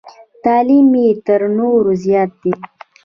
تعلیم یې تر نورو زیات دی.